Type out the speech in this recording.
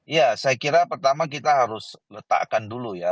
ya saya kira pertama kita harus letakkan dulu ya